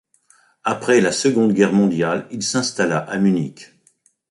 Après la Seconde Guerre mondiale, il s'installa à Munich.